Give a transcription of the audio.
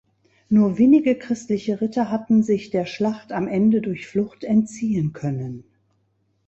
Nur wenige christliche Ritter hatten sich der Schlacht am Ende durch Flucht entziehen können.